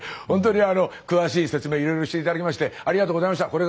ほんとに詳しい説明いろいろして頂きましてありがとうございました。